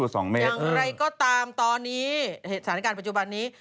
อย่างไรก็ตามตอนนี้สถานการณ์ปัจจุบันนี้